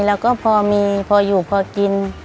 แล้วก็พอมีพออยู่พอกิน